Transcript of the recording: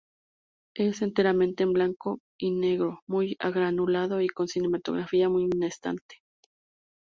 Es enteramente en blanco y negro, muy granulado y con cinematografía muy inestable.